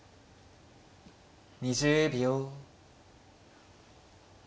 ２０秒。